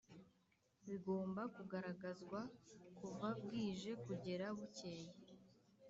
bigomba kugaragazwa kuva bwije kugera bukeye